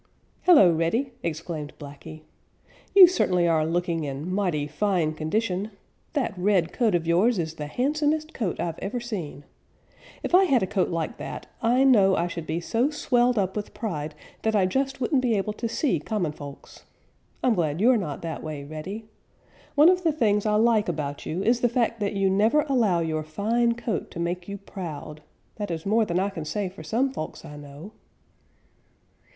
"Hello, Reddy!" exclaimed Blacky. "You certainly are looking in mighty fine condition. That red coat of yours is the handsomest coat I've ever seen. If I had a coat like that I know I should be so swelled up with pride that I just wouldn't be able to see common folks. I'm glad you're not that way, Reddy. One of the things I like about you is the fact that you never allow your fine coat to make you proud. That is more than I can say for some folks I know."